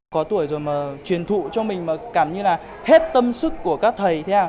có tuổi rồi mà truyền thụ cho mình mà cảm như là hết tâm sức của các thầy